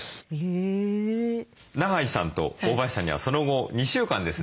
長井さんと大林さんにはその後２週間ですね